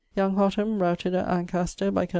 Young Hotham routed at Ancaster by col.